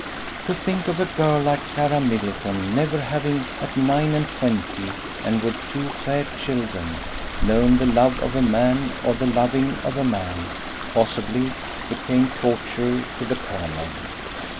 To think of a girl like Clara Middleton never having at nine and twenty, and with two fair children! known the love of a man or the loving of a man, possibly, became torture to the Colonel.